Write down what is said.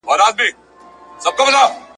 سلطانانو یې منلی منزلت وو ..